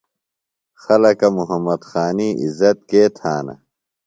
خلکہ محمد خانی عزت کے تھانہ؟